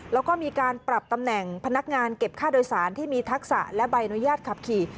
แล้วก็มีการปรับตำแหน่งพนักงานเก็บค่าโดยสารที่มีทักษะและใบอนุญาตขับขี่